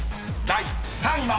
第３位は］